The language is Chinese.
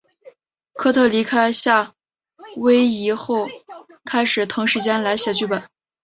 卡特离开夏威夷后开始腾时间来写剧本。